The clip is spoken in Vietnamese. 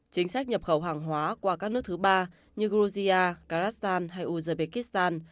chính sách nhập khẩu hàng hóa qua các nước thứ ba như georgia kazakhstan hay uzbekistan